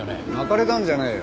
まかれたんじゃねえよ。